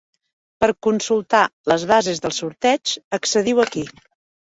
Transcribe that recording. Per a consultar les bases del sorteig, accediu aquí.